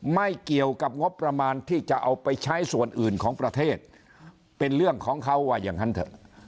ไม่เกี่ยวกับงบประมาณที่จะเอาไปใช้ส่วนอื่นของประเทศเป็นเรื่องของเขาว่าอย่างนั้นเถอะ